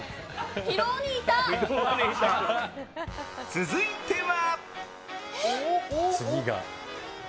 続いては。